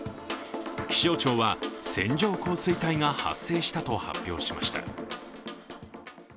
気象庁は線状降水帯が発生したと発表しました。